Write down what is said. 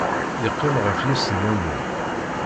Yeqqim ɣef yisennanen.